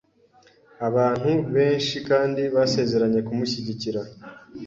Abantu benshi kandi basezeranye kumushyigikira.